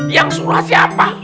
yang surah siapa